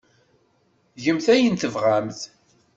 Gemt ayen tebɣamt.